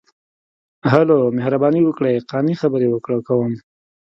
ـ هلو، مهرباني وکړئ، قانع خبرې کوم.